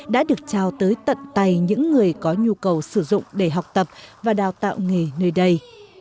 đã được trao tới tận tay những người có nhu cầu sử dụng để học tập và đào tạo nghề nơi đây